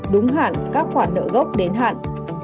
đúng hẳn các khoản nợ gốc đến hẳn